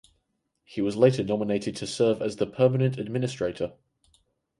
He was later nominated to serve as the permanent administrator.